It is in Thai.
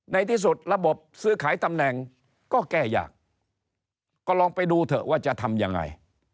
ในที่สุดระบบซื้อขายตำแหน่งก็แก้ยากก็ลองไปดูเถอะว่าจะทำยังไง